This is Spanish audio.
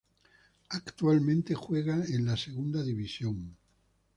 Actualmente juega en la Segunda División.